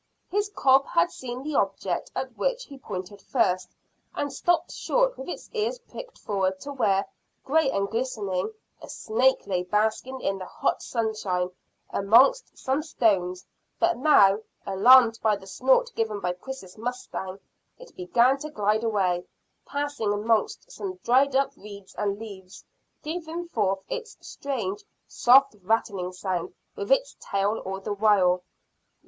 His cob had seen the object at which he pointed first, and stopped short with its ears pricked forward to where, grey and glistening, a snake lay basking in the hot sunshine amongst some stones, but now, alarmed by the snort given by Chris's mustang, it began to glide away, passing amongst some dried up reeds and leaves, giving forth its strange soft rattling sound with its tail the while.